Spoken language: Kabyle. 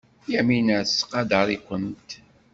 Yamina tettqadar-ikent.